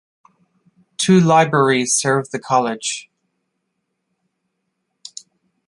Two libraries serve the college.